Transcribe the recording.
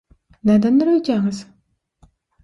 Nädendir öýdýäňiz?